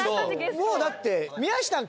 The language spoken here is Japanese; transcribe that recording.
もうだって。